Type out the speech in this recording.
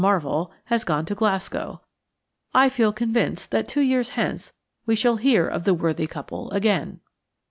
Marvell–has gone to Glasgow. I feel convinced that two years hence we shall hear of the worthy couple again.